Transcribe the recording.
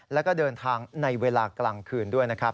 แล้วก็เดินทางในเวลากลางคืนด้วยนะครับ